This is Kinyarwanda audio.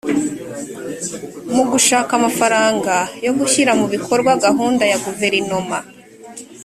mu gushaka amafaranga yo gushyira mu bikorwa gahunda ya guverinoma